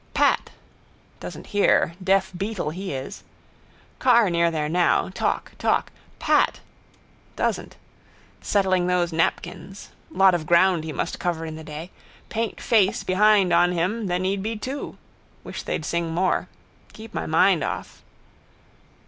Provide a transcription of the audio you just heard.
Pat! Doesn't hear. Deaf beetle he is. Car near there now. Talk. Talk. Pat! Doesn't. Settling those napkins. Lot of ground he must cover in the day. Paint face behind on him then he'd be two. Wish they'd sing more. Keep my mind off.